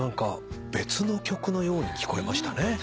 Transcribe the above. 別の曲のように聞こえましたね。